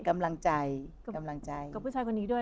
กำลังใจกับผู้ชายคนนี้ด้วย